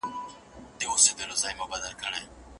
جانانه ستا په سترگو کې د خدای د تصوير کور دی